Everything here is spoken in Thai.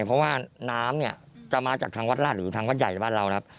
เพราะว่าน้ำเนี่ยจะมาจากทางวัดราชหรือทางวัดใหญ่ในบ้านเรานะครับ